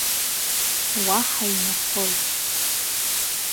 Уа ҳаҩнахоит.